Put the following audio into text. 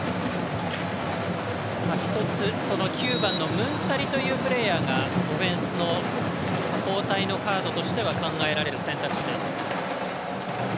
一つ、９番のムンタリというプレーヤーがオフェンスの交代のカードとしては考えられる選択肢です。